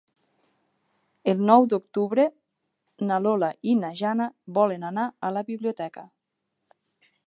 El nou d'octubre na Lola i na Jana volen anar a la biblioteca.